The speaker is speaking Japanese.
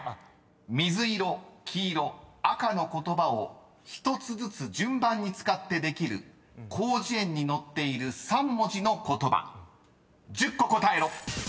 ［水色黄色赤の言葉を１つずつ順番に使ってできる広辞苑に載っている３文字の言葉１０個答えろ］